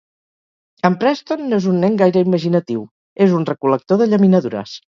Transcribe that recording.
En Preston no és un nen gaire imaginatiu; és un recol·lector de llaminadures.